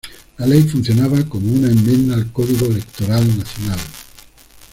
La ley funcionaba como una enmienda al Código Electoral Nacional.